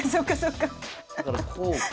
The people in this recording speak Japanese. だからこうか。